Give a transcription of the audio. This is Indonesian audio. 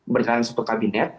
berkaitan dengan suatu kabinet